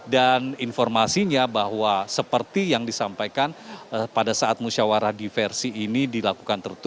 dan informasinya bahwa seperti yang disampaikan pada saat musyawarah diversi ini dilakukan tertutup